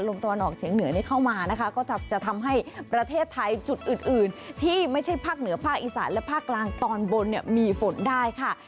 ตะวันออกเฉียงเหนือเข้ามานะคะก็จะทำให้ประเทศไทยจุดอื่นอื่นที่ไม่ใช่ภาคเหนือภาคอีสานและภาคกลางตอนบนเนี่ยมีฝนได้ค่ะ